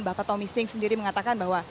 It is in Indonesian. bapak tommy sing sendiri mengatakan bahwa